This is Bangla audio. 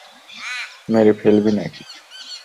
মেরে ফেলবি নাকি?